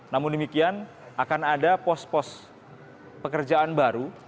namun demikian akan ada pos pos pekerjaan baru